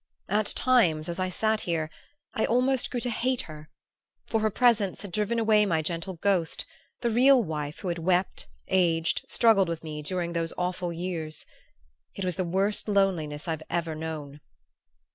At times, as I sat here, I almost grew to hate her; for her presence had driven away my gentle ghost, the real wife who had wept, aged, struggled with me during those awful years.... It was the worst loneliness I've ever known.